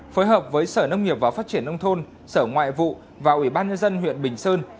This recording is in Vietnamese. phối hợp với sở nông nghiệp và phát triển nông thôn sở ngoại vụ và ủy ban nhân dân huyện bình sơn